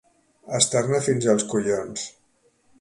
Estar-ne fins als collons.